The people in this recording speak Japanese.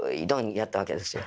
やったわけですよ。